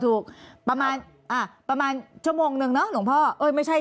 ประมาณอ่าประมาณชั่วโมงนึงเนอะหลวงพ่อเอ้ยไม่ใช่